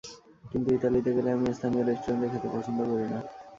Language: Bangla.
কিন্তু ইতালিতে গেলে আমি স্থানীয় রেস্টুরেন্টে খেতে পছন্দ করি না।